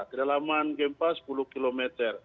kedalaman gempa sepuluh km